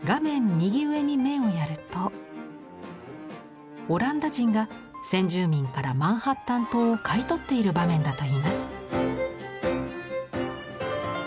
右上に目をやるとオランダ人が先住民からマンハッタン島を買い取っている場面だといいます。